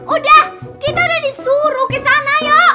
udah kita udah disuruh ke sana yuk